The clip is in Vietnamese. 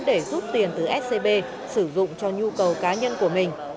để rút tiền từ scb sử dụng cho nhu cầu cá nhân của mình